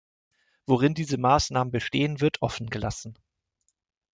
Worin diese Maßnahmen bestehen, wird offen gelassen.